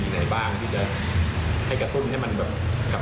แล้วบางคนเขาก็เหมือนกับ